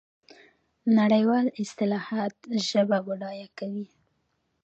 نړیوالې اصطلاحات ژبه بډایه کوي.